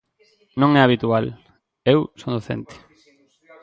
Non é habitual –eu son docente–.